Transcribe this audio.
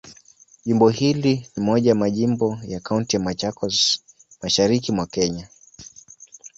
Jimbo hili ni moja ya majimbo ya Kaunti ya Machakos, Mashariki mwa Kenya.